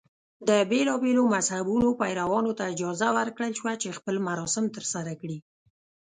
د بېلابېلو مذهبونو پیروانو ته اجازه ورکړل شوه چې خپل مراسم ترسره کړي.